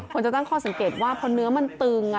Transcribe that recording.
คนจะตั้งข้อสังเกตว่าพอเนื้อมันตึง